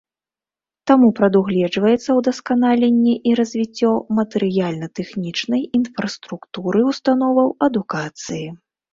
Таму прадугледжваецца ўдасканаленне і развіццё матэрыяльна-тэхнічнай інфраструктуры ўстановаў адукацыі.